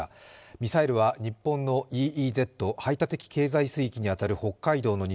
ミサイルは日本のＥＥＺ＝排他的経済水域に当たる北海道の西